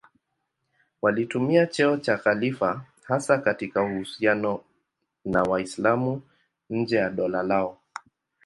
Walitumia cheo cha khalifa hasa katika uhusiano na Waislamu nje ya dola lao.